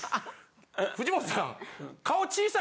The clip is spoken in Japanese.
「藤本さん」。